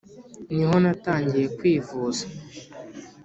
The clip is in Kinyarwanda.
Ni ho natangiye kwivuza